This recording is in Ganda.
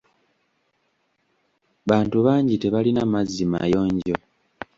Bantu bangi tebalina mazzi mayonjo.